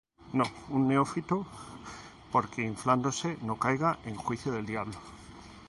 No un neófito, porque inflándose no caiga en juicio del diablo.